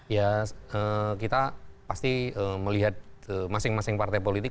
ya kita pasti melihat masing masing partai politik